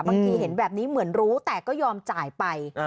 บางทีเห็นแบบนี้เหมือนรู้แต่ก็ยอมจ่ายไป